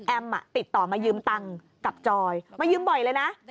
ติดต่อมายืมตังค์กับจอยมายืมบ่อยเลยนะ